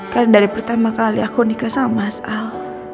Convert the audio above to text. karena dari pertama kali aku nikah sama mas al